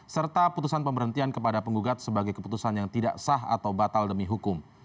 serta putusan pemberhentian kepada penggugat sebagai keputusan yang tidak sah atau batal demi hukum